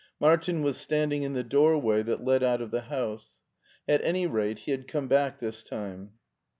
Martin was staiiding in the doorway that led out of the house. At any rate he had come back this time.